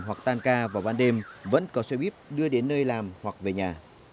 hoặc tan ca vào ban đêm vẫn có xe buýt đưa đến nơi làm hoặc về nhà